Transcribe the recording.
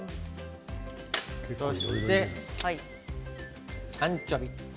そしてアンチョビ。